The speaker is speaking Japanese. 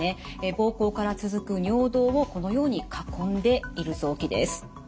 膀胱から続く尿道をこのように囲んでいる臓器です。